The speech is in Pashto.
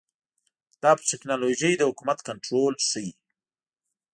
دا پر ټکنالوژۍ د حکومت کنټرول ښيي.